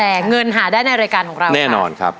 แต่เงินหาได้ในรายการของเราแน่นอนครับ